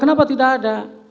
kenapa tidak ada